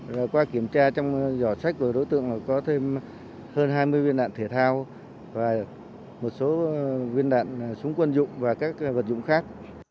và qua kiểm tra trong giỏ sách của đối tượng có thêm hơn hai mươi viên đạn thể thao và một số viên đạn súng quân dụng và các vật dụng khác